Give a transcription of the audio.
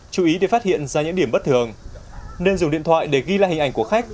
chú ý để phát hiện ra những điểm bất thường nên dùng điện thoại để ghi lại hình ảnh của khách